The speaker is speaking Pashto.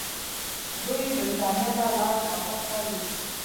دوي برطانيه ته لاړل او هلتۀ ئې